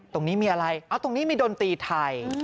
ตรงนี้มีอะไรเอาตรงนี้มีดนตรีไทย